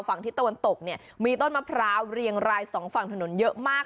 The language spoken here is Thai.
ทิศตะวันตกเนี่ยมีต้นมะพร้าวเรียงรายสองฝั่งถนนเยอะมาก